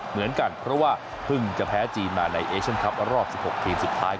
เหมือนกันเพราะว่าเพิ่งจะแพ้จีนมาในเอเชียนคลับรอบ๑๖ทีมสุดท้าย